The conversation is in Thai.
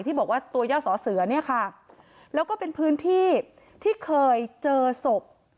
บอกว่าตัวย่าสอเสือเนี่ยค่ะแล้วก็เป็นพื้นที่ที่เคยเจอศพ